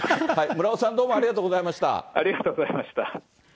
村尾さん、どうもありがとうござありがとうございました。